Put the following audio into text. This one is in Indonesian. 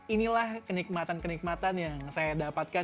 inilah kenikmatan kenikmatan yang saya dapatkan